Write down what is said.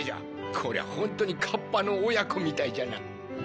こりゃホントにカッパの親子みたいじゃな。